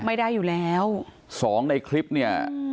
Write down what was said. ไม่ได้อยู่แล้วสองในคลิปเนี่ย